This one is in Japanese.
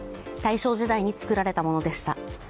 大正時代に作られたものでした。